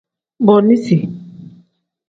Booniisi.